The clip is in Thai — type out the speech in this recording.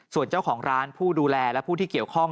ส่วนเจ้าของร้านผู้ดูแลและผู้ที่เกี่ยวข้อง